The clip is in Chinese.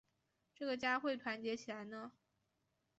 这个家会团结起来呢？